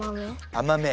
甘め。